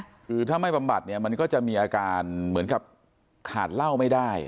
คือถ้าไม่บำบัดเนี่ยมันก็จะมีอาการเหมือนกับขาดเหล้าไม่ได้